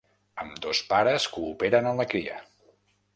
Ambdós pares cooperen en la cria.